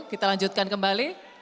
kita lanjutkan kembali